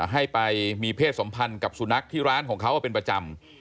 ให้ไปมีเพศสมพันธ์กับสุนัขที่ร้านของเขาเป็นประจำ